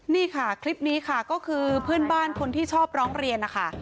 นี่ค่ะคลิปนี้ค่ะก็คือเพื่อนบ้านคนที่ชอบร้องเรียนนะคะ